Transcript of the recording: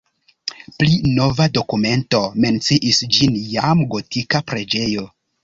Pli nova dokumento menciis ĝin jam gotika preĝejo.